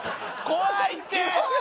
怖いって！